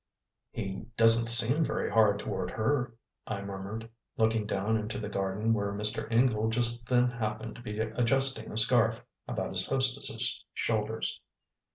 "He doesn't seem very hard toward her," I murmured, looking down into the garden where Mr. Ingle just then happened to be adjusting a scarf about his hostess's shoulders.